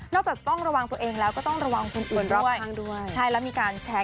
จากต้องระวังตัวเองแล้วก็ต้องระวังคนอื่นรอบข้างด้วยใช่แล้วมีการแชร์